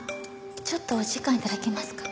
ちょっとお時間頂けますか？